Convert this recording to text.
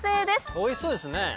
おいしそうですね。